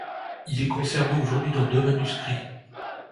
Il est conservé aujourd'hui dans deux manuscrits.